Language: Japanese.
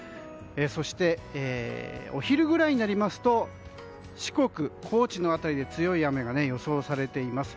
そして、お昼ぐらいになりますと四国、高知の辺りで強い雨が予想されています。